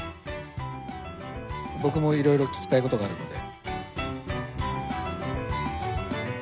僕もいろいろ聞きたいことがあるので。